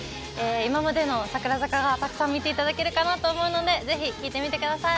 今までの櫻坂が見ていただけるかなと思うので、ぜひ聴いてみてください。